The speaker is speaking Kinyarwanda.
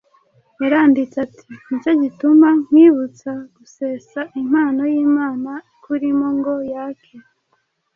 Yaranditse ati: “Ni cyo gituma nkwibutsa gusesa impano y’Imana ikurimo ngo yake,